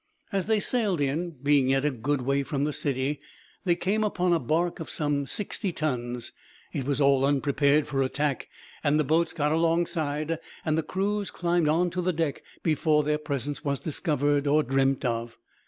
As they sailed in, being yet a good way from the city, they came upon a barque of some 60 tons. It was all unprepared for attack, and the boats got alongside, and the crews climbed on to the deck before their presence was discovered, or dreamt of.